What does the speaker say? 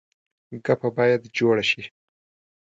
ګپه باید جوړه شي.